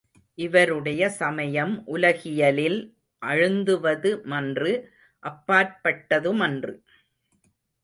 இவருடைய சமயம் உலகியலில் அழுந்துவது மன்று அப்பாற்பட்டதுமன்று.